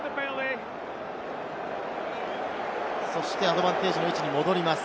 そしてアドバンテージの位置に戻ります。